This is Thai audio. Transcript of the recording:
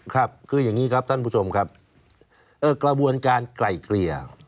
ครับคืออย่างนี้ครับท่านผู้ชมครับกระบวนการไกล่เกลี่ย